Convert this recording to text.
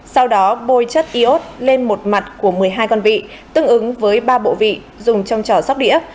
sau đó bôi chất iốt lên một mặt của một mươi hai con vị tương ứng với ba bộ vị dùng trong trò sóc đĩa